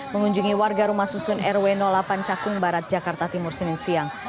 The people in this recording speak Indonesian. mengunjungi warga rumah susun rw delapan cakung barat jakarta timur senin siang